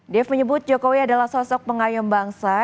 dev menyebut jokowi adalah sosok pengayom bangsa